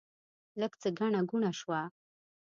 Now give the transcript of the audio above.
لږ څه ګڼه ګوڼه شوه.